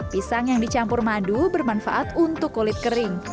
pisang yang dicampur madu bermanfaat untuk kulit kering